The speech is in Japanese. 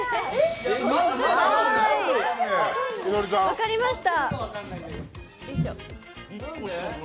分かりました。